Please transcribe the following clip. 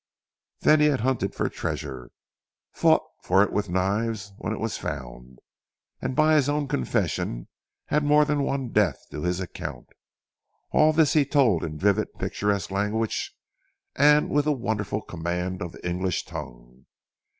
Then he had hunted for treasure, fought for it with knives when it was found, and by his own confession had more than one death to his account. All this he told in vivid picturesque language and with a wonderful command of the English tongue.